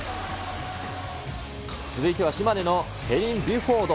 続いては島根の、ペリン・ビュフォード。